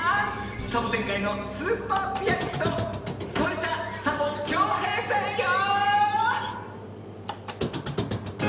サボテンかいのスーパーピアニストそりた・サボ・きょうへいさんよ！